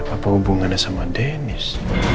apa hubungannya sama dennis